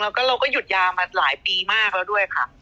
แล้วก็เราก็หยุดยามาหลายปีมากแล้วด้วยค่ะ